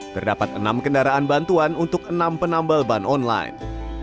terdapat enam kendaraan bantuan untuk enam penambal ban online